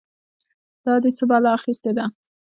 دا دې څه بلا اخيستې ده؟!